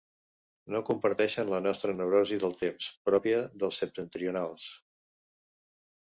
No comparteixen la nostra neurosi del temps, pròpia dels septentrionals